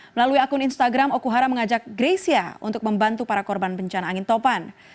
melalui akun instagram okuhara mengajak greysia untuk membantu para korban bencana angin topan